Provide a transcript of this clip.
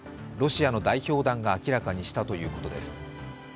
ロシアの代表団が明らかにしたということです。